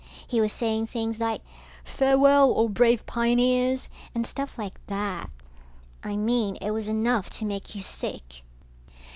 He was saying things like, farewell, O brave pioneers, and stuff like that. I mean it was enough to make you sick.